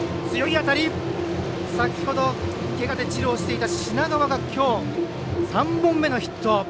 先ほどけがで治療していた品川がきょう、３本目のヒット。